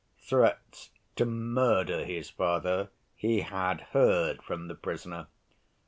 Threats to murder his father he had heard from the prisoner.